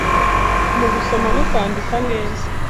mu gusoma no kwandika neza